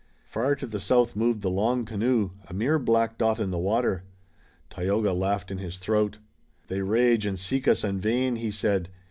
Far to the south moved the long canoe, a mere black dot in the water. Tayoga laughed in his throat. "They rage and seek us in vain," he said.